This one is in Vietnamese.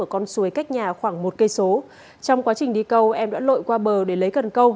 ở con suối cách nhà khoảng một km trong quá trình đi câu em đã lội qua bờ để lấy cần câu